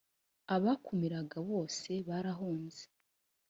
abakumiraga bose barahunze.